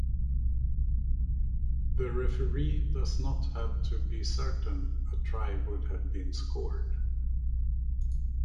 The referee does not have to be certain a try would have been scored.